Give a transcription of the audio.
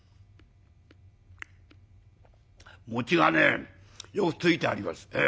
「餅がねよくついてあります。